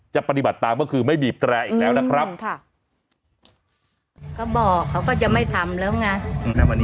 ปฏิบัติตามก็คือไม่บีบแตรอีกแล้วนะครับค่ะเขาบอกเขาก็จะไม่ทำแล้วไง